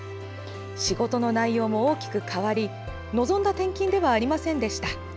仕事の内容も大きく変わり望んだ転勤ではありませんでした。